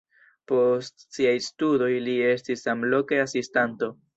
Post siaj studoj li estis samloke asistanto.